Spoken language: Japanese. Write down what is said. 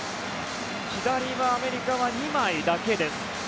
左はアメリカは２枚だけです。